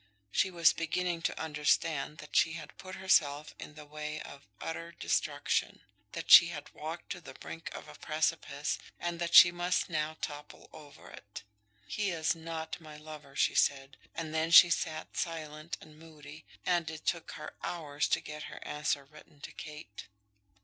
She was beginning to understand that she had put herself in the way of utter destruction; that she had walked to the brink of a precipice, and that she must now topple over it. "He is not my lover," she said; and then she sat silent and moody, and it took her hours to get her answer written to Kate.